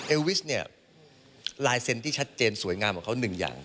วิสเนี่ยลายเซ็นต์ที่ชัดเจนสวยงามของเขาหนึ่งอย่าง